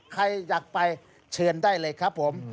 ใครอยากไปเชิญได้เลยครับผม